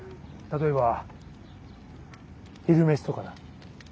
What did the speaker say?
例えば昼メシとかな。